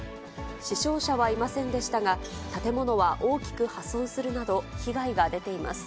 死傷者はいませんでしたが、建物は大きく破損するなど、被害が出ています。